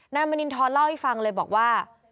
มณินทรเล่าให้ฟังเลยบอกว่า